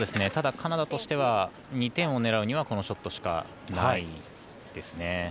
ただ、カナダとしては２点を狙うにはこのショットしかないですね。